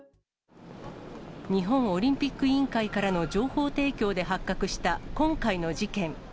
日本オリンピック委員会からの情報提供で発覚した、今回の事件。